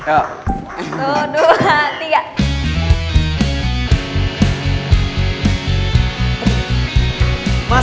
satu dua tiga